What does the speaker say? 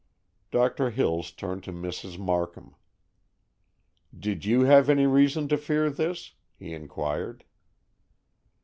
Doctor Hills turned to Mrs. Markham. "Did you have any reason to fear this?" he inquired.